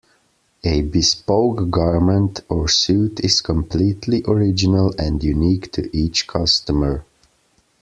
A bespoke garment or suit is completely original and unique to each customer.